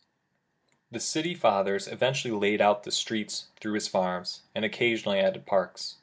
The city fathers eventually laid out streets through his farms, and occasionally added parks.